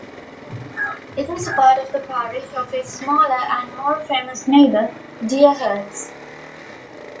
It is part of the parish of its smaller and more famous neighbour, Deerhurst.